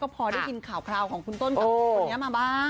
พอได้ยินข่าวคราวของคุณต้นกับคนนี้มาบ้าง